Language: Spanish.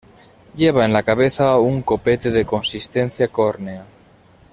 Lleva en la cabeza un copete de consistencia córnea.